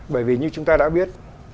bởi vì như chúng ta đã biết